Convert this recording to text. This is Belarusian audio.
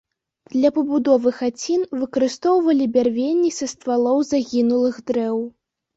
Для пабудовы хацін выкарыстоўвалі бярвенні са ствалоў загінулых дрэў.